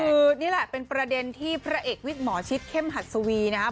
คือนี่แหละเป็นประเด็นที่พระเอกวิกหมอชิดเข้มหัดสวีนะครับ